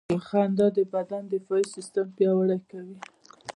• خندا د بدن دفاعي سیستم پیاوړی کوي.